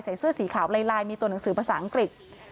เสื้อสีขาวลายมีตัวหนังสือภาษาอังกฤษ